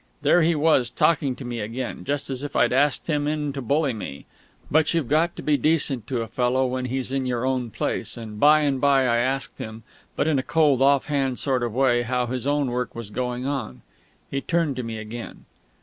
There he was, talking to me again, just as if I'd asked him in to bully me. But you've got to be decent to a fellow when he's in your own place; and by and by I asked him, but in a cold, off hand sort of way, how his own work was going on. He turned to me again.